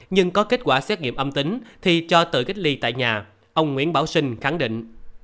nhưng có kết quả xét nghiệm âm tính thì cho tự cách ly tại nhà ông nguyễn bảo sinh khẳng định